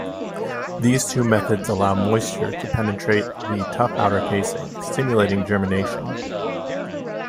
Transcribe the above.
These two methods allow moisture to penetrate the tough outer casing, stimulating germination.